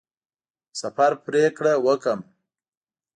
د سفر پرېکړه وکړم.